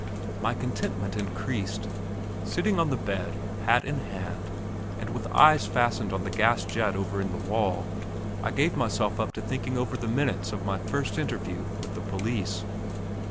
My contentment increased. Sitting on the bed, hat in hand, and with eyes fastened on the gas jet over in the wall, I gave myself up to thinking over the minutes of my first interview with the police.